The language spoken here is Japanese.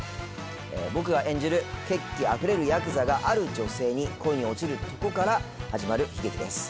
僕が演じる血気あふれるヤクザがある女性に恋に落ちるとこから始まる悲劇です